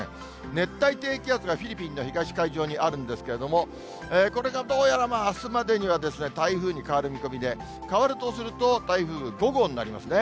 熱帯低気圧がフィリピンの東海上にあるんですけれども、これがどうやらまあ、あすまでには台風に変わる見込みで、変わるとすると、台風５号になりますね。